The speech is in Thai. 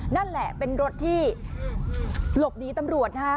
นั่นแหละเป็นรถที่หลบหนีตำรวจนะฮะ